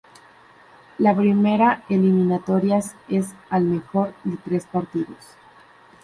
La primera eliminatorias es al mejor de tres partidos.